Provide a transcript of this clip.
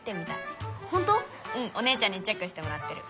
うんお姉ちゃんにチェックしてもらってる。